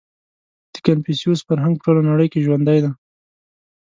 • د کنفوسیوس فرهنګ په ټوله نړۍ کې ژوندی دی.